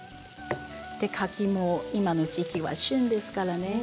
柿も今の時期は旬ですからね。